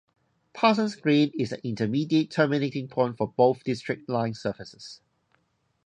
Parsons Green is an intermediate terminating point for both District line services.